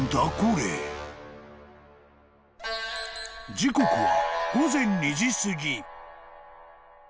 ［時刻は］